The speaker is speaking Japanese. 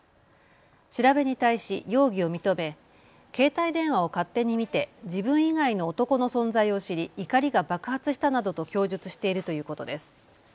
調べに対し容疑を認め携帯電話を勝手に見て自分以外の男の存在を知り、怒りが爆発したなどと供述しているということです。